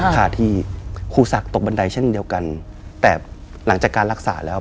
ขาดที่ครูศักดิ์ตกบันไดเช่นเดียวกันแต่หลังจากการรักษาแล้ว